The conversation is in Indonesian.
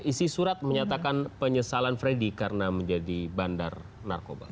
isi surat menyatakan penyesalan freddy karena menjadi bandar narkoba